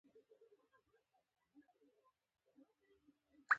د قرآن له احکامو سره نه جوړیږي.